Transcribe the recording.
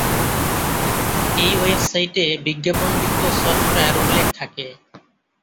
এই ওয়েবসাইটে "বিজ্ঞাপন যুক্ত সফটওয়্যার" উল্লেখ থাকে।